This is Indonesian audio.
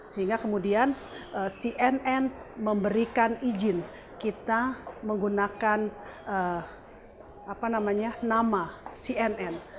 sehingga kemudian cnn memberikan izin kita menggunakan nama cnn